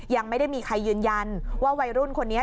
ยังไม่ได้มีใครยืนยันว่าวัยรุ่นคนนี้